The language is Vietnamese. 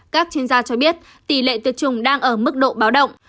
các chuyên gia cho biết tỷ lệ tuyệt chủng đang ở mức độ báo động